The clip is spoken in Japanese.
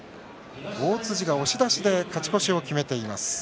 大辻が押し出しで勝ち越しを決めています。